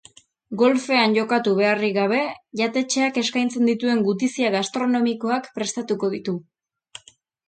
Golfean jokatu beharrik gabe, jatetxeak eskaintzen dituen gutizia gastronomikoak prestatuko ditu.